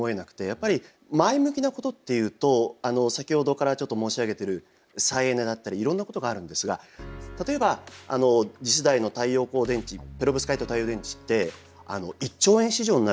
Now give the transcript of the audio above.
やっぱり前向きなことっていうと先ほどからちょっと申し上げてる再エネだったりいろんなことがあるんですが例えば次世代の太陽光電池ペロブスカイト太陽電池って１兆円市場になるっていわれてるんです。